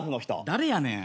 誰やねん。